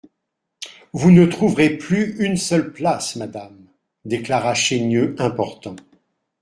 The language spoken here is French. Vous ne trouverez plus une seule place, madame, déclara Chaigneux, important.